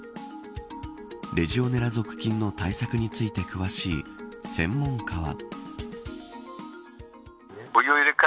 レジオネラ属菌の対策について詳しい専門家は。